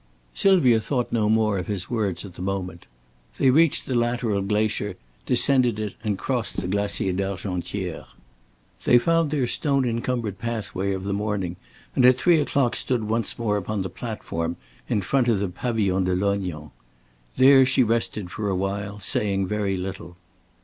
Sylvia thought no more of his words at the moment. They reached the lateral glacier, descended it and crossed the Glacier d'Argentière. They found their stone encumbered pathway of the morning and at three o'clock stood once more upon the platform in front of the Pavillon de Lognan. Then she rested for a while, saying very little.